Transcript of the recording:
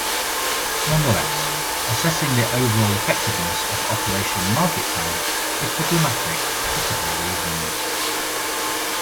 Nonetheless, assessing the overall effectiveness of Operation Market Time is problematic for several reasons.